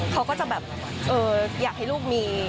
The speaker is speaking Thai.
เขาก็จะแบบอยากให้ลูกมี